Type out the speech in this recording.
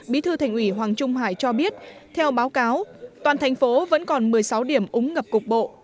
bí thư thành ủy hoàng trung hải cho biết theo báo cáo toàn thành phố vẫn còn một mươi sáu điểm úng ngập cục bộ